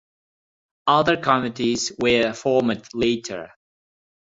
Other committees were formed later.